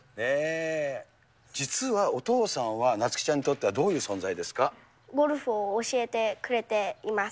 実はお父さんは、なつ希ちゃんにゴルフを教えてくれています。